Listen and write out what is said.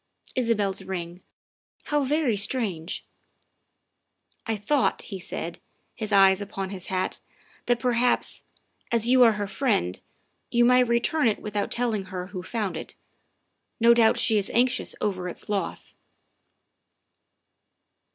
Isabel's ring how very strange !''" I thought," he said, his eyes upon his hat, " that perhaps, as you are her friend, you might return it with out telling her who found it. No doubt she is anxious over its loss."